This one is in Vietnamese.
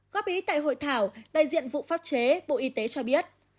góp ý tại hội thảo đại diện vụ pháp chế bộ y tế cho biết